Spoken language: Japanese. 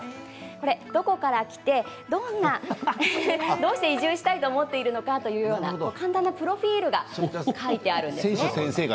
どこから来て、どうして移住したいと思っているのかという簡単なプロフィールが書いてあるんです。